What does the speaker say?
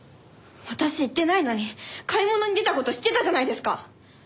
私言ってないのに買い物に出た事知ってたじゃないですか！